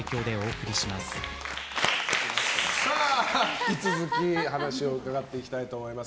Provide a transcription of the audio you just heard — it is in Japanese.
引き続き話を伺っていきたいと思います。